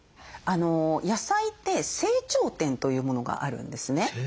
野菜って成長点というものがあるんですね。